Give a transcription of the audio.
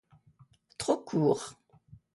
Trop courts